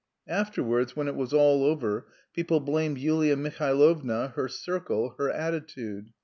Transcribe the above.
Afterwards when it was all over, people blamed Yulia Mihailovna, her circle, her attitude.